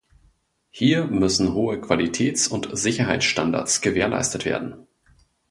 Hier müssen hohe Qualitäts- und Sicherheitsstandards gewährleistet werden.